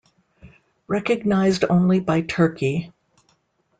Recognized only by Turkey.